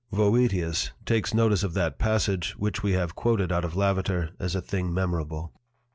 Voetius takes notice of that passage which we have quoted out of Lavater as a thing memorable.